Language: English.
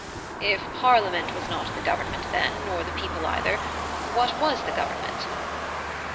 (H.) If Parliament was not the government then, nor the people either, what was the government?